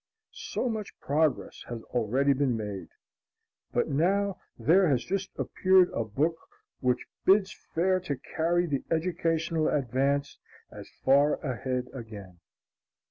So much progress has already been made. But now there has just appeared a book which bids fair to carry the educational advance as far ahead again.